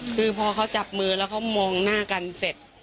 คือพอเขาจับมือแล้วเขามองหน้ากันเสร็จ